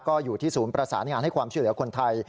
ก็อยู่ที่ศูนย์ประสานงานให้ความช่วยเหลือคนไทย